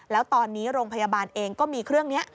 แล้วตอนนี้โรงพยาบาลเองก็มีเครื่องนี้